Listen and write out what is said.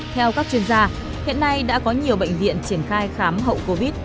theo các chuyên gia hiện nay đã có nhiều bệnh viện triển khai khám hậu covid